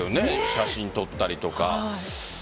写真撮ったりとか。